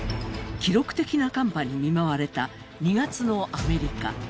記録的な寒波に見舞われた２月のアメリカ。